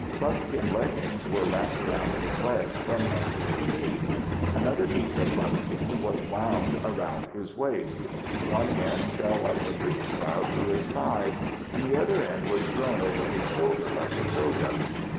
Buckskin leggings were wrapped around his legs from ankle to knee. Another piece of buckskin was wound around his waist; one end fell like a breechclout to his thighs, and the other end was thrown over his shoulder like a toga.